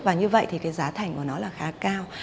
và như vậy thì cái giá thành của nó là khá cao